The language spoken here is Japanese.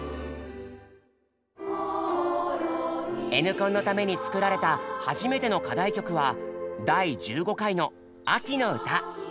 「Ｎコン」のために作られた初めての課題曲は第１５回の「秋の歌」。